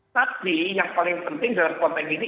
tapi yang paling penting dalam konteks ini